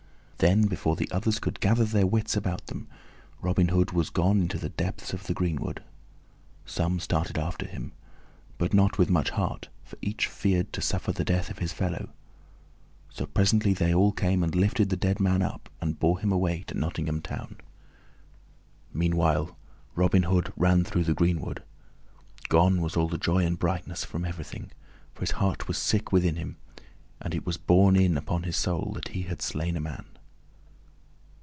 Then, before the others could gather their wits about them, Robin Hood was gone into the depths of the greenwood. Some started after him, but not with much heart, for each feared to suffer the death of his fellow; so presently they all came and lifted the dead man up and bore him away to Nottingham Town. Meanwhile Robin Hood ran through the greenwood. Gone was all the joy and brightness from everything, for his heart was sick within him, and it was borne in upon his soul that he had slain a man.